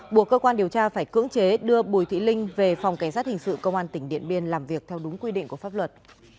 buộc cơ quan điều tra phải cưỡng chế đưa bùi thị linh về phòng cảnh sát hình sự công an tỉnh điện biên làm việc theo đúng quy định của pháp luật